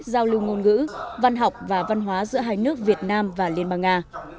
giao lưu ngôn ngữ văn học và văn hóa giữa hai nước việt nam và liên bang nga